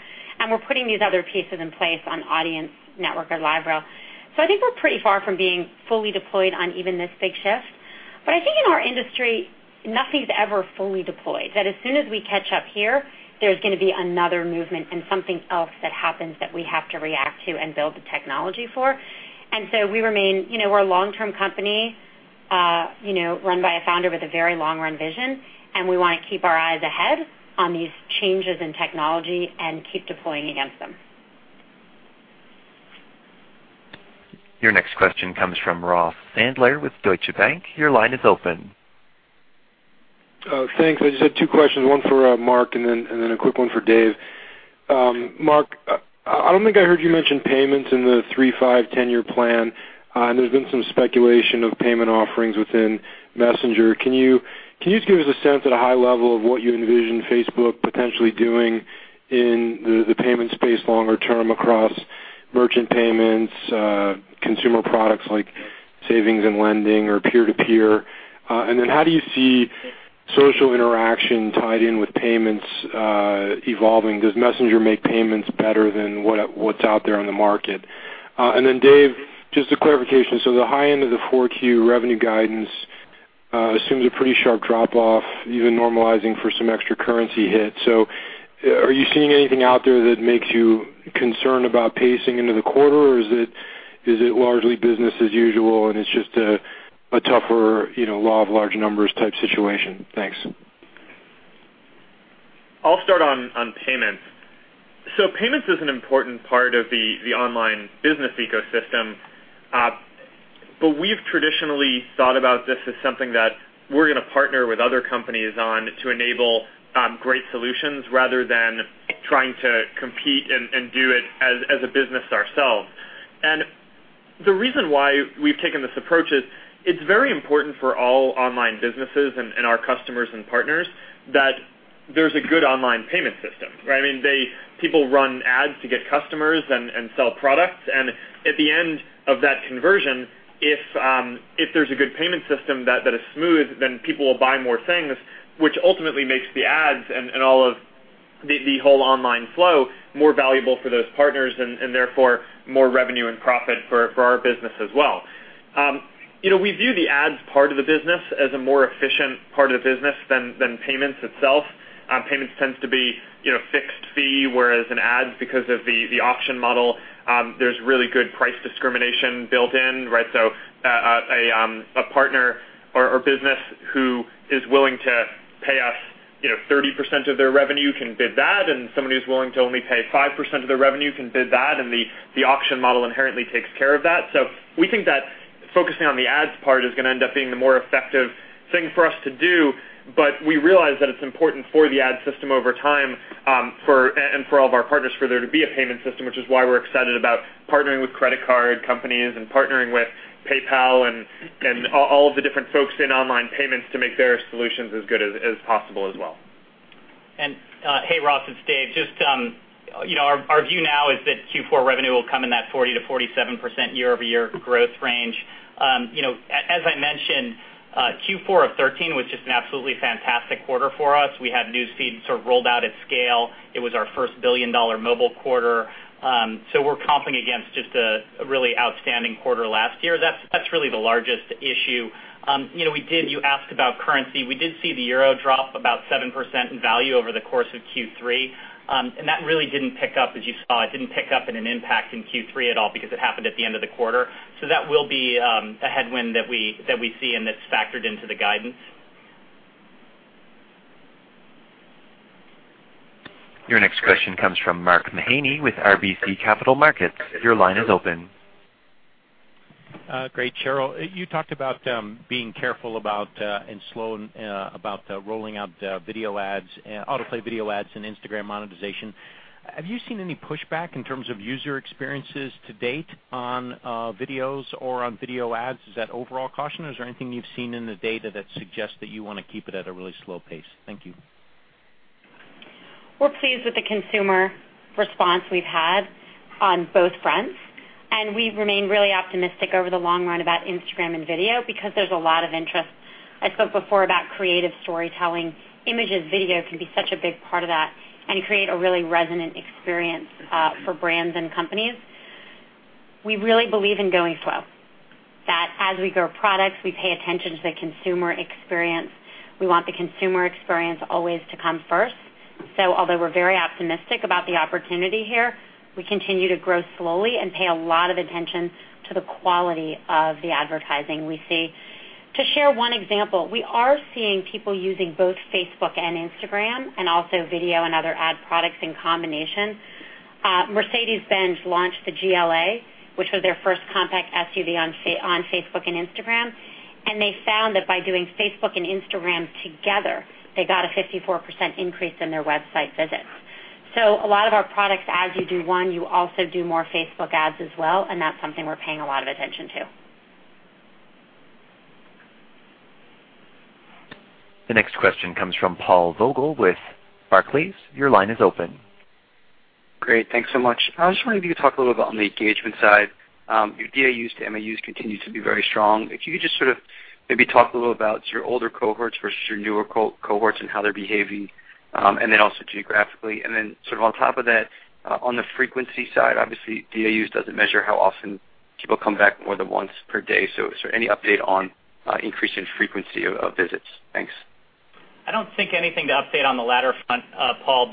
We're putting these other pieces in place on Audience Network or LiveRail. I think we're pretty far from being fully deployed on even this big shift. I think in our industry, nothing's ever fully deployed, that as soon as we catch up here, there's gonna be another movement and something else that happens that we have to react to and build the technology for. We remain, you know, we're a long-term company, you know, run by a founder with a very long-run vision, and we wanna keep our eyes ahead on these changes in technology and keep deploying against them. Your next question comes from Ross Sandler with Deutsche Bank. Your line is open. Thanks. I just had two questions, one for Mark, and then a quick one for Dave. Mark, I don't think I heard you mention payments in the three, five, 10-year plan. There's been some speculation of payment offerings within Messenger. Can you just give us a sense at a high level of what you envision Facebook potentially doing in the payment space longer term across merchant payments, consumer products like savings and lending or peer-to-peer? How do you see social interaction tied in with payments evolving? Does Messenger make payments better than what's out there on the market? Dave, just a clarification. The high end of the 4Q revenue guidance assumes a pretty sharp drop-off, even normalizing for some extra currency hits. Are you seeing anything out there that makes you concerned about pacing into the quarter, or is it largely business as usual and it's just a tougher, you know, law of large numbers type situation? Thanks. I'll start on payments. Payments is an important part of the online business ecosystem. We've traditionally thought about this as something that we're gonna partner with other companies on to enable great solutions rather than trying to compete and do it as a business ourselves. The reason why we've taken this approach is it's very important for all online businesses and our customers and partners that there's a good online payment system, right? I mean, people run ads to get customers and sell products. At the end of that conversion, if there's a good payment system that is smooth, then people will buy more things, which ultimately makes the ads and all of the whole online flow more valuable for those partners and therefore more revenue and profit for our business as well. You know, we view the ads part of the business as a more efficient part of the business than payments itself. Payments tends to be, you know, fixed fee, whereas in ads, because of the auction model, there's really good price discrimination built in, right? A partner or business who is willing to pay us, you know, 30% of their revenue can bid that, and somebody who's willing to only pay 5% of their revenue can bid that, and the auction model inherently takes care of that. We think that focusing on the ads part is gonna end up being the more effective thing for us to do, but we realize that it's important for the ad system over time, for all of our partners, for there to be a payment system, which is why we're excited about partnering with credit card companies and partnering with PayPal and all of the different folks in online payments to make their solutions as good as possible as well. Hey, Ross, it's Dave. Just, you know, our view now is that Q4 revenue will come in that 40%-47% year-over-year growth range. You know, as I mentioned, Q4 of 2013 was just an absolutely fantastic quarter for us. We had News Feed sort of rolled out at scale. It was our first billion-dollar mobile quarter. We're comping against just a really outstanding quarter last year. That's really the largest issue. You know, we did, you asked about currency. We did see the euro drop about 7% in value over the course of Q3. That really didn't pick up, as you saw. It didn't pick up in an impact in Q3 at all because it happened at the end of the quarter. That will be a headwind that we see and that's factored into the guidance. Your next question comes from Mark Mahaney with RBC Capital Markets. Your line is open. Great, Sheryl you talked about being careful about and slow about rolling out video ads, autoplay video ads and Instagram monetization. Have you seen any pushback in terms of user experiences to date on videos or on video ads? Is that overall caution, or is there anything you've seen in the data that suggests that you wanna keep it at a really slow pace? Thank you. We're pleased with the consumer response we've had on both fronts, and we remain really optimistic over the long run about Instagram and video because there's a lot of interest. I spoke before about creative storytelling. Images, video can be such a big part of that and create a really resonant experience for brands and companies. We really believe in going slow, that as we grow products, we pay attention to the consumer experience. We want the consumer experience always to come first. Although we're very optimistic about the opportunity here, we continue to grow slowly and pay a lot of attention to the quality of the advertising we see. To share one example, we are seeing people using both Facebook and Instagram and also video and other ad products in combination. Mercedes-Benz launched the GLA, which was their first compact SUV on Facebook and Instagram, and they found that by doing Facebook and Instagram together, they got a 54% increase in their website visits. A lot of our products, as you do one, you also do more Facebook ads as well, and that's something we're paying a lot of attention to. The next question comes from Paul Vogel with Barclays. Your line is open. Great, thanks so much. I was wondering if you could talk a little bit on the engagement side. Your DAUs to MAUs continue to be very strong. If you could just sort of maybe talk a little about your older cohorts versus your newer cohorts and how they're behaving, then also geographically. Then sort of on top of that, on the frequency side, obviously DAUs doesn't measure how often people come back more than once per day. Is there any update on increase in frequency of visits? Thanks. I don't think anything to update on the latter front, Paul,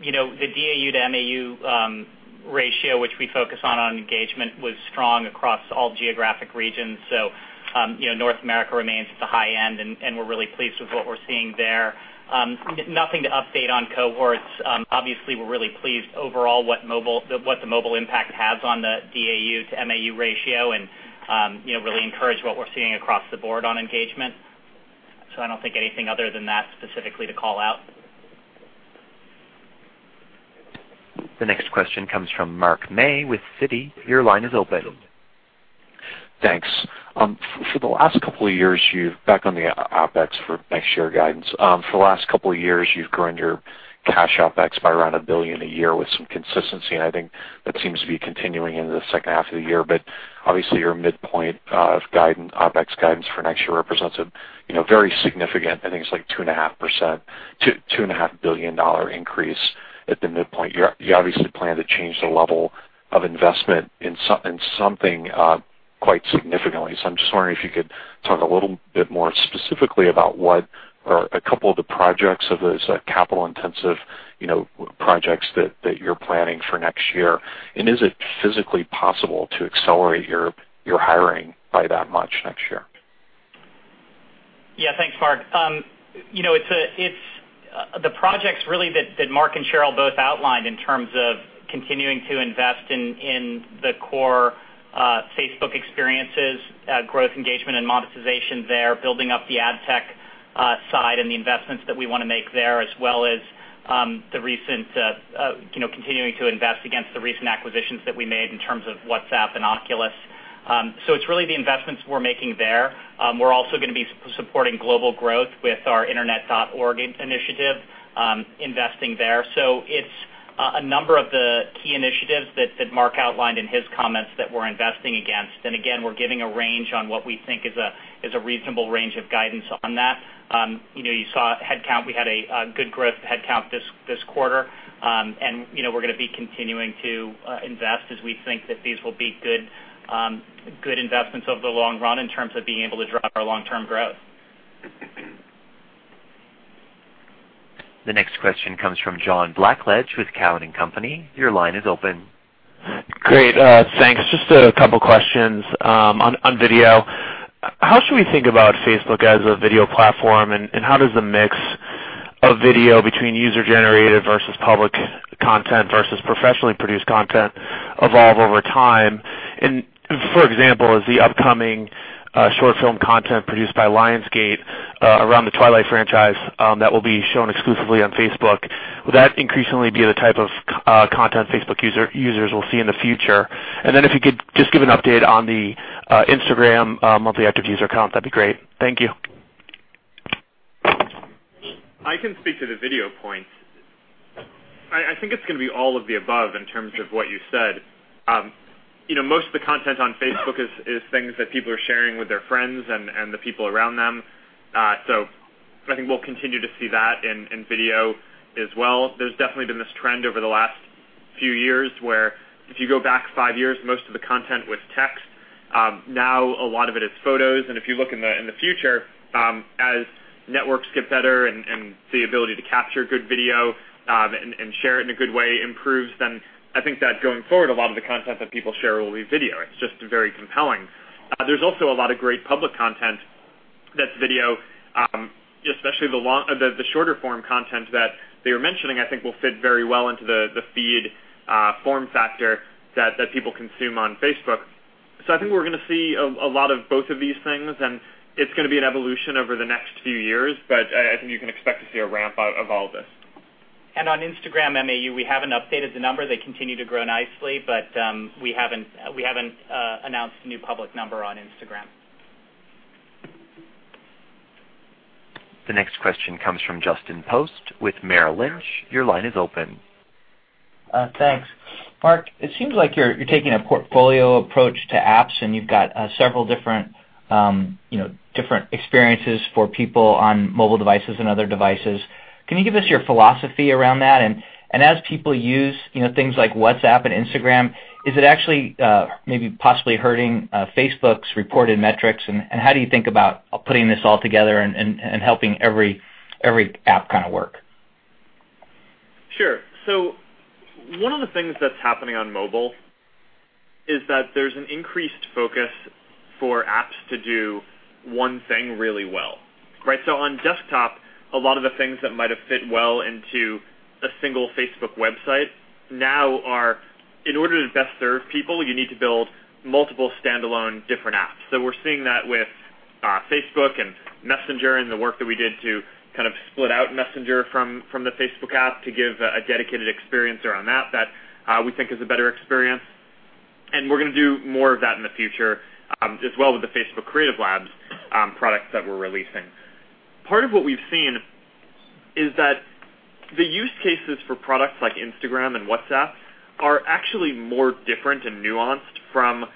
you know, the DAU to MAU ratio, which we focus on on engagement was strong across all geographic regions. You know, North America remains at the high end, and we're really pleased with what we're seeing there. Nothing to update on cohorts. Obviously, we're really pleased overall what the mobile impact has on the DAU to MAU ratio and, you know, really encouraged what we're seeing across the board on engagement. I don't think anything other than that specifically to call out. The next question comes from Mark May with Citi. Your line is open. Thanks, for the last couple of years, you've grown your cash OpEx by around a billion a year with some consistency, and I think that seems to be continuing into the second half of the year. Obviously, your midpoint of guidance, OpEx guidance for next year represents a, you know, very significant, I think it's like $2.5 billion increase at the midpoint. You obviously plan to change the level of investment in something quite significantly. I'm just wondering if you could talk a little bit more specifically about what are a couple of the projects of those capital-intensive, you know, projects that you're planning for next year. Is it physically possible to accelerate your hiring by that much next year? Yeah, thanks, Mark. It's the projects really that Mark and Sheryl both outlined in terms of continuing to invest in the core Facebook experiences, growth, engagement, and monetization there, building up the ad tech side and the investments that we wanna make there, as well as the recent continuing to invest against the recent acquisitions that we made in terms of WhatsApp and Oculus. It's really the investments we're making there. We're also gonna be supporting global growth with our Internet.org initiative, investing there. It's a number of the key initiatives that Mark outlined in his comments that we're investing against. Again, we're giving a range on what we think is a reasonable range of guidance on that. You saw headcount. We had a good growth headcount this quarter. You know, we're gonna be continuing to invest as we think that these will be good investments over the long run in terms of being able to drive our long-term growth. The next question comes from John Blackledge with Cowen and Company. Great, thanks just a couple questions on video. How should we think about Facebook as a video platform, and how does the mix of video between user-generated versus public content versus professionally produced content evolve over time? For example, is the upcoming short film content produced by Lionsgate around the Twilight franchise that will be shown exclusively on Facebook, will that increasingly be the type of content Facebook users will see in the future? Then if you could just give an update on the Instagram monthly active user count, that'd be great. Thank you. I can speak to the video point. I think it's gonna be all of the above in terms of what you said. You know, most of the content on Facebook is things that people are sharing with their friends and the people around them. I think we'll continue to see that in video as well. There's definitely been this trend over the last few years, where if you go back five years, most of the content was text. Now a lot of it is photos. If you look in the future, as networks get better and the ability to capture good video and share it in a good way improves, then I think that going forward, a lot of the content that people share will be video it's just very compelling. There's also a lot of great public content that's video, especially the shorter form content that they were mentioning, I think will fit very well into the feed form factor that people consume on Facebook. I think we're gonna see a lot of both of these things, and it's gonna be an evolution over the next few years. I think you can expect to see a ramp up of all this. On Instagram MAU, we haven't updated the number. They continue to grow nicely, but we haven't announced a new public number on Instagram. The next question comes from Justin Post with Merrill Lynch. Your line is open. Thanks, Mark, it seems like you're taking a portfolio approach to apps, and you've got several different, you know, different experiences for people on mobile devices and other devices. Can you give us your philosophy around that? As people use, you know, things like WhatsApp and Instagram, is it actually maybe possibly hurting Facebook's reported metrics? How do you think about putting this all together and helping every app kinda work? Sure, one of the things that's happening on mobile is that there's an increased focus for apps to do one thing really well, right? On desktop, a lot of the things that might have fit well into a single Facebook website now are, in order to best serve people, you need to build multiple standalone different apps. We're seeing that with Facebook and Messenger and the work that we did to kind of split out Messenger from the Facebook app to give a dedicated experience around that we think is a better experience. We're gonna do more of that in the future, as well with the Facebook Creative Labs products that we're releasing. Part of what we've seen is that the use cases for products like Instagram and WhatsApp are actually more different and nuanced from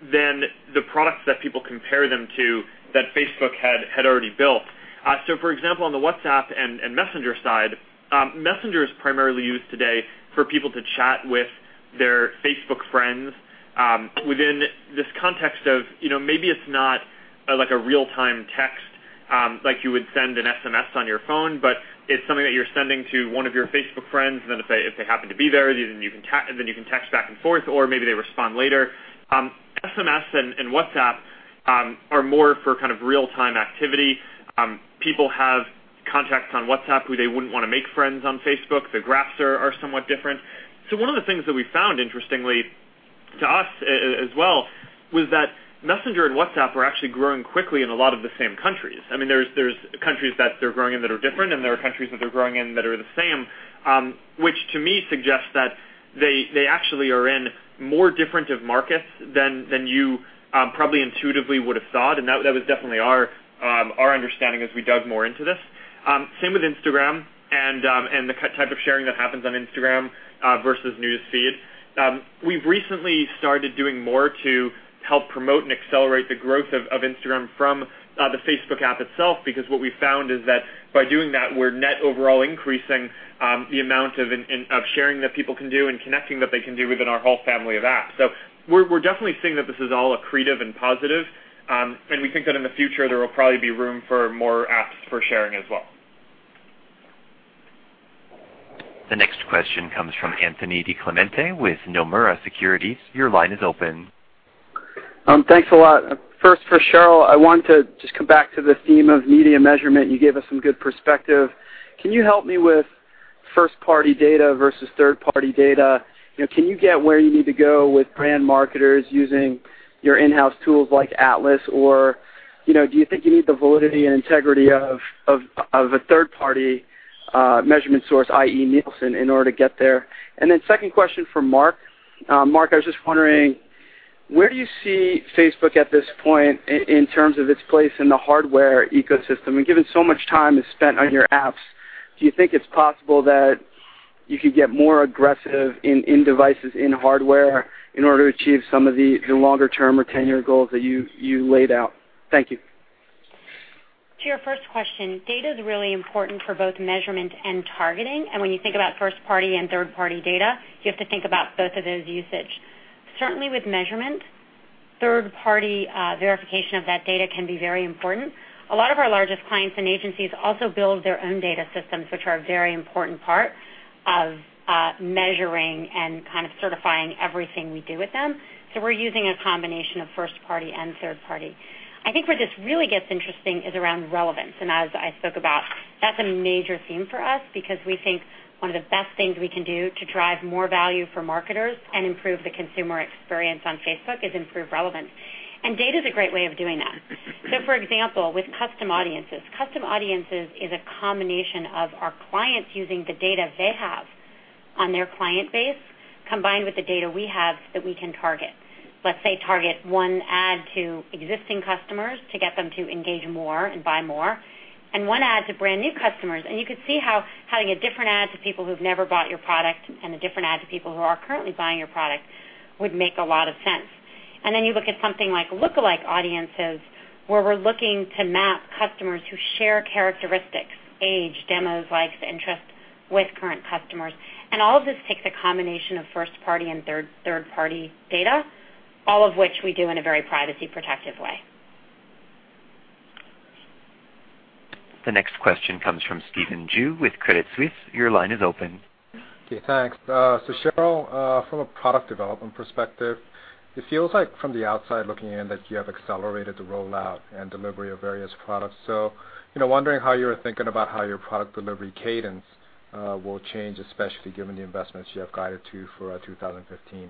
than the products that people compare them to that Facebook had already built. For example, on the WhatsApp and Messenger side, Messenger is primarily used today for people to chat with their Facebook friends within this context of, you know, maybe it's not like a real-time text like you would send an SMS on your phone, but it's something that you're sending to one of your Facebook friends. If they happen to be there, then you can text back and forth, or maybe they respond later. SMS and WhatsApp are more for kind of real-time activity. People have contacts on WhatsApp who they wouldn't wanna make friends on Facebook. The graphs are somewhat different. One of the things that we found interestingly to us as well, was that Messenger and WhatsApp are actually growing quickly in a lot of the same countries. I mean, there's countries that they're growing in that are different, and there are countries that they're growing in that are the same, which to me suggests that they actually are in more different of markets than you probably intuitively would have thought. And that was definitely our understanding as we dug more into this. Same with Instagram and the type of sharing that happens on Instagram versus News Feed. We've recently started doing more to help promote and accelerate the growth of Instagram from the Facebook app itself, because what we found is that by doing that, we're net overall increasing the amount of sharing that people can do and connecting that they can do within our whole family of apps. We're, we're definitely seeing that this is all accretive and positive. We think that in the future, there will probably be room for more apps for sharing as well. The next question comes from Anthony DiClemente with Nomura Securities. Your line is open. Thanks a lot. First for Sheryl, I want to just come back to the theme of media measurement. You gave us some good perspective. Can you help me with first-party data versus third-party data? You know, can you get where you need to go with brand marketers using your in-house tools like Atlas? Or, you know, do you think you need the validity and integrity of a third-party measurement source, i.e., Nielsen, in order to get there? Second question for Mark. Mark, I was just wondering, where do you see Facebook at this point in terms of its place in the hardware ecosystem? Given so much time is spent on your apps, do you think it's possible that you could get more aggressive in devices, in hardware in order to achieve some of the longer term or 10-year goals that you laid out? Thank you. To your first question, data is really important for both measurement and targeting. When you think about first party and third-party data, you have to think about both of those usage. Certainly, with measurement, third-party verification of that data can be very important. A lot of our largest clients and agencies also build their own data systems, which are a very important part of measuring and kind of certifying everything we do with them. We're using a combination of first party and third-party. I think where this really gets interesting is around relevance. As I spoke about, that's a major theme for us because we think one of the best things we can do to drive more value for marketers and improve the consumer experience on Facebook is improve relevance. Data is a great way of doing that. For example, with Custom Audiences, Custom Audiences is a combination of our clients using the data they have on their client base, combined with the data we have that we can target. Let's say target one ad to existing customers to get them to engage more and buy more, and one ad to brand-new customers. You could see how having a different ad to people who've never bought your product and a different ad to people who are currently buying your product would make a lot of sense. Then you look at something like Lookalike Audiences, where we're looking to map customers who share characteristics, age, demos, likes, interests with current customers. All of this takes a combination of first party and third-party data, all of which we do in a very privacy-protective way. The next question comes from Stephen Ju with Credit Suisse. Your line is open. Okay, thanks. Sheryl, from a product development perspective, it feels like from the outside looking in, that you have accelerated the rollout and delivery of various products. You know, wondering how you're thinking about how your product delivery cadence will change, especially given the investments you have guided to for 2015.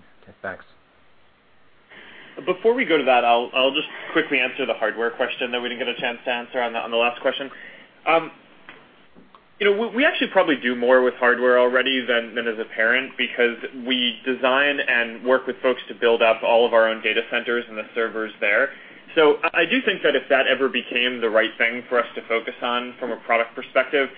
Before we go to that, I'll just quickly answer the hardware question that we didn't get a chance to answer on the last question. You know, we actually probably do more with hardware already than is apparent because we design and work with folks to build up all of our own data centers and the servers there. I do think that if that ever became the right thing for us to focus on from a product perspective,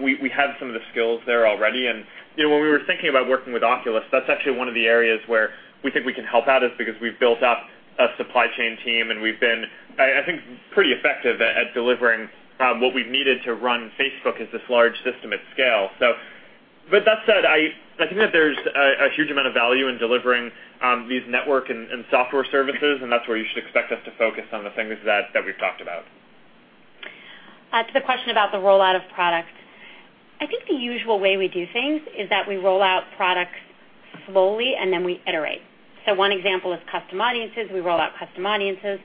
we have some of the skills there already. You know, when we were thinking about working with Oculus, that's actually one of the areas where we think we can help out is because we've built up a supply chain team, and we've been, I think, pretty effective at delivering what we've needed to run Facebook as this large system at scale. With that said, I think that there's a huge amount of value in delivering these network and software services, and that's where you should expect us to focus on the things that we've talked about. To the question about the rollout of products, I think the usual way we do things is that we roll out products slowly, and then we iterate. One example is Custom Audiences. We roll out Custom Audiences,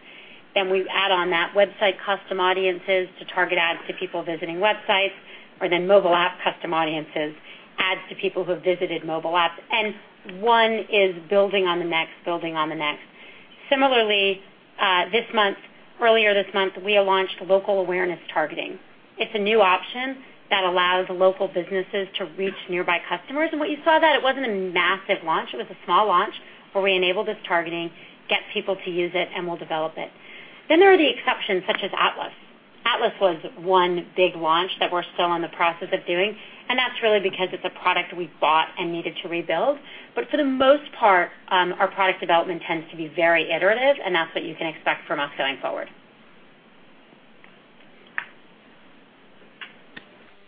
then we add on that Website Custom Audiences to target ads to people visiting websites or then Mobile App Custom Audiences. Ads to people who have visited mobile apps. One is building on the next, building on the next. Similarly, this month, earlier this month, we have launched Local Awareness ads. It's a new option that allows local businesses to reach nearby customers. What you saw that it wasn't a massive launch, it was a small launch where we enabled this targeting, get people to use it, and we'll develop it. Then there are the exceptions such as Atlas. Atlas was one big launch that we're still in the process of doing, that's really because it's a product we bought and needed to rebuild. For the most part, our product development tends to be very iterative, that's what you can expect from us going forward.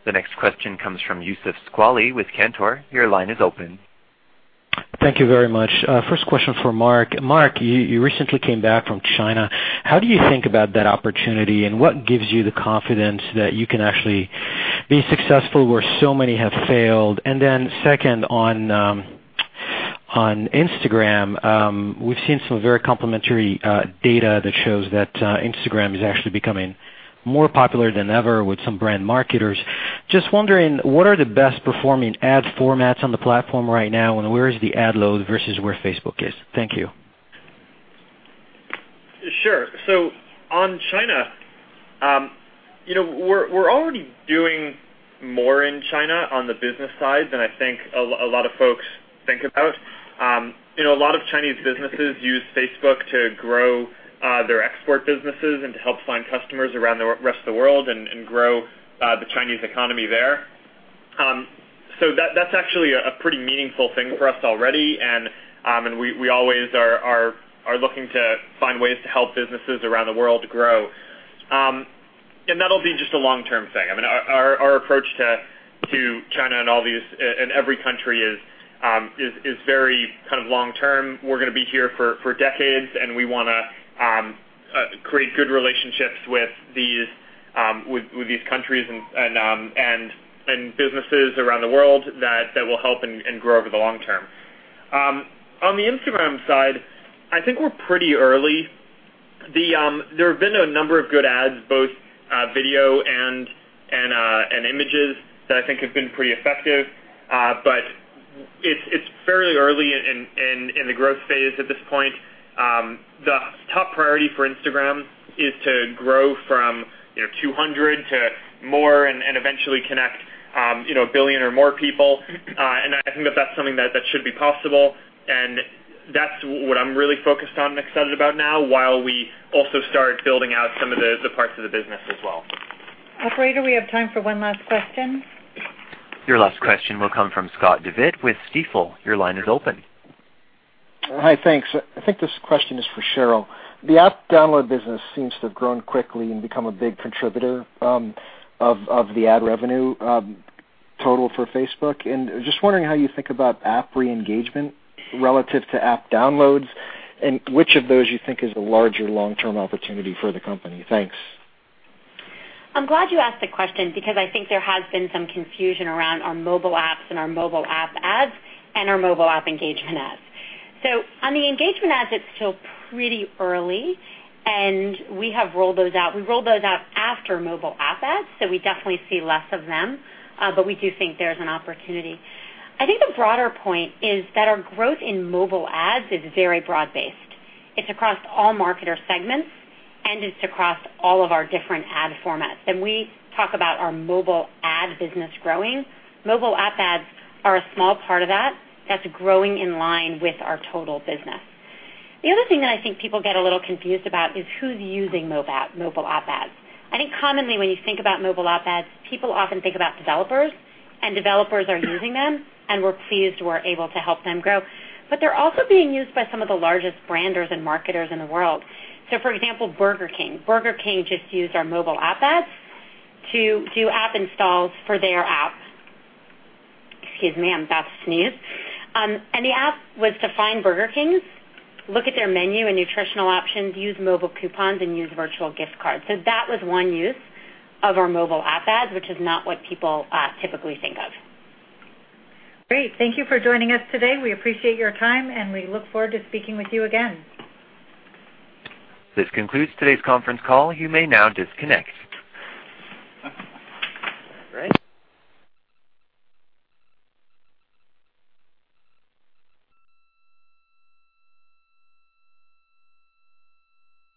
The next question comes from Youssef Squali with Cantor Fitzgerald. Your line is open. Thank you very much. First question for Mark. Mark, you recently came back from China. How do you think about that opportunity, and what gives you the confidence that you can actually be successful where so many have failed? Second, on Instagram, we've seen some very complimentary data that shows that Instagram is actually becoming more popular than ever with some brand marketers. Just wondering, what are the best performing ad formats on the platform right now, and where is the ad load versus where Facebook is? Thank you. Sure, on China, you know, we're already doing more in China on the business side than I think a lot of folks think about. You know, a lot of Chinese businesses use Facebook to grow their export businesses and to help find customers around the rest of the world and grow the Chinese economy there. That's actually a pretty meaningful thing for us already. We always are looking to find ways to help businesses around the world grow. That'll be just a long-term thing. I mean, our approach to China and all these and every country is very kind of long term. We're gonna be here for decades, we wanna create good relationships with these countries and businesses around the world that will help and grow over the long term. On the Instagram side, I think we're pretty early. There have been a number of good ads, both video and images that I think have been pretty effective. It's fairly early in the growth phase at this point. The top priority for Instagram is to grow from, you know, 200 to more and eventually connect, you know, a billion or more people. I think that that's something that should be possible, and that's what I'm really focused on and excited about now, while we also start building out some of the parts of the business as well. Operator, we have time for one last question. Your last question will come from Scott Devitt with Stifel. Your line is open. Hi, thanks. I think this question is for Sheryl. The app download business seems to have grown quickly and become a big contributor of the ad revenue total for Facebook. Just wondering how you think about app re-engagement relative to app downloads, and which of those you think is the larger long-term opportunity for the company? Thanks. I'm glad you asked the question because I think there has been some confusion around our mobile apps and our mobile app ads and our mobile app engagement ads. On the engagement ads, it's still pretty early, and we have rolled those out. We rolled those out after mobile app ads, so we definitely see less of them. We do think there's an opportunity. I think the broader point is that our growth in mobile ads is very broad based. It's across all marketer segments, and it's across all of our different ad formats. When we talk about our mobile ad business growing, mobile app ads are a small part of that that's growing in line with our total business. The other thing that I think people get a little confused about is who's using mobile app ads. I think commonly, when you think about mobile app ads, people often think about developers and developers are using them, and we're pleased we're able to help them grow. They're also being used by some of the largest branders and marketers in the world. For example, Burger King. Burger King just used our mobile app ads to do app installs for their app. Excuse me, I'm about to sneeze. The app was to find Burger Kings, look at their menu and nutritional options, use mobile coupons, and use virtual gift cards. That was one use of our mobile app ads, which is not what people typically think of. Great, thank you for joining us today. We appreciate your time, and we look forward to speaking with you again. This concludes today's conference call. You may now disconnect. All right.